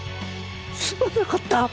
すまなかった！